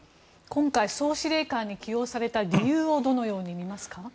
今回、総司令官に起用された理由をどのように見ますか？